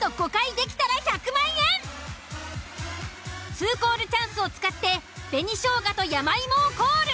２コールチャンスを使って紅しょうがと山芋をコール。